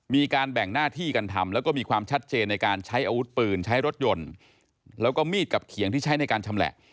มีการแบ่งหน้าที่กันทำแล้วก็มีความชัดเจนในการใช้อาวุธปืนใช้รถยนต์แล้วก็มีดกับเขียงที่ใช้ในการชำแหละ